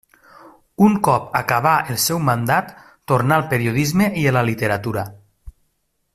Un cop acabà el seu mandat tornà al periodisme i a la literatura.